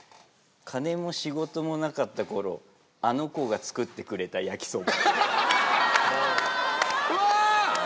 金も仕事もなかった頃あの子が作ってくれた焼きそば。